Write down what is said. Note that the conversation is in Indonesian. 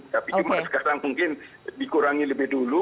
sekarang mungkin dikurangi lebih dulu